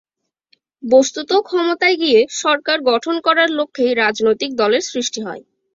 বস্তুত ক্ষমতায় গিয়ে সরকার গঠন করার লক্ষ্যেই রাজনৈতিক দলের সৃষ্টি হয়।